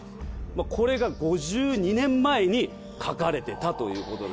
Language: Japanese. これが５２年前に描かれてたということで。